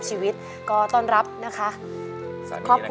เปลี่ยนเพลงเพลงเก่งของคุณและข้ามผิดได้๑คำ